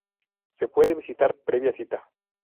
Se puede visitar previa cita.